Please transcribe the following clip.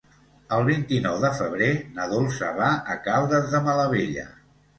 El vint-i-nou de febrer na Dolça va a Caldes de Malavella.